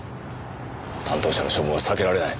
担当者の処分は避けられない。